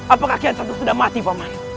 apakah kian sabdu sudah mati paman